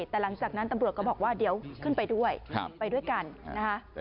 แต่หลังจากนั้นตำรวจก็บอกว่าเดี๋ยวขึ้นไปด้วยไปด้วยกันนะคะ